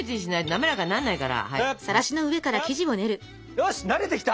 よし慣れてきた。